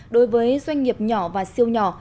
đối với doanh nghiệp nhỏ và siêu nhỏ